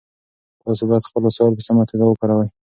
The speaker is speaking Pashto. تاسو باید خپل وسایل په سمه توګه وکاروئ.